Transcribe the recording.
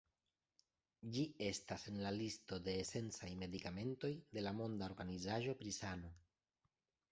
Ĝi estas en la listo de esencaj medikamentoj de la Monda Organizaĵo pri Sano.